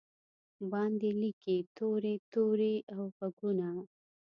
باندې لیکې توري، توري او ږغونه